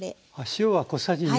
塩は小さじ1/2。